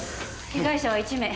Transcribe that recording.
被害者は１名。